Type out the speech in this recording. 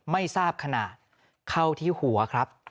ไม่ทราบขนาดเข้าที่หัวครับ